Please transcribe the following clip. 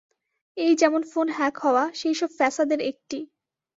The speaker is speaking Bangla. এই যেমন ফোন হ্যাক হওয়া, সেই সব ফ্যাসাদের একটি।